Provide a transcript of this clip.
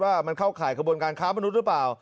ว่ามันเข้าข่ายขบวนการค้ามนุษย์หรือเปล่า